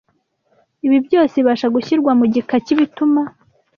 Ibi byose bibasha gushyirwa mu gika cy’ibituma